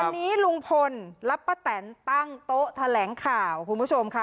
วันนี้หลุงฟลรับประตั๋นตั้งโต๊ะทะแหลงข่าวคุณผู้ชมค่ะ